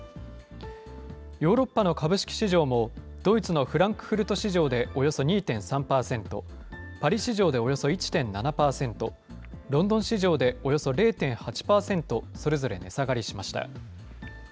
ヨーロッパの株式市場も、ドイツのフランクフルト市場でおよそ２．３％、パリ市場でおよそ１．７％、ロンドン市場でおよそ０．８％、それぞれ値下がりしました。